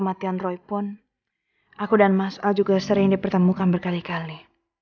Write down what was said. walaupun aku dan mas al juga sering dipertemukan berkali kali